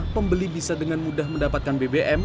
pembeli bisa dengan mudah mendapatkan bbm